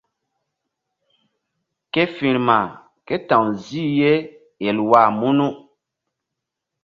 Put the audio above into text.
Ke firma ké ta̧w zih ye Elwa munu.